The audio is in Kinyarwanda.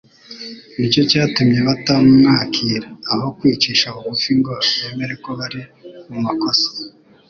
nicyo cyatumye batamwakira. Aho kwicisha bugufi ngo bemere ko bari mu makosa,